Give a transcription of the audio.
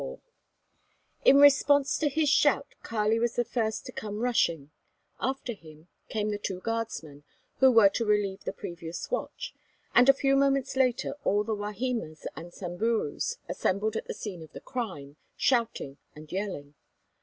XXIV In response to his shout Kali was the first to come rushing; after him came the two guardsmen who were to relieve the previous watch, and a few moments later all the Wahimas and Samburus assembled at the scene of the crime, shouting and yelling.